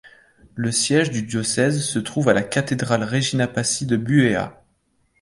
Le siège du diocèse se trouve à la cathédrale Regina Pacis de Buéa.